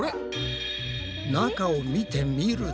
中を見てみると。